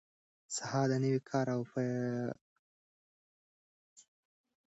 سهار د نوي کار او بار پیل دی.